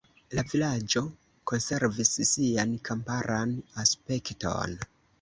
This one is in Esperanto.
La vilaĝo konservis sian kamparan aspekton.